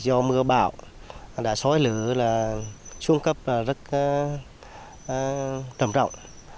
do mưa bão đã xói lửa là xuống cấp rất trầm rộng